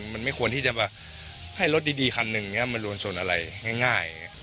มันไม่ควรที่จะแบบให้รถดีคันหนึ่งมาลวนชนอะไรง่าย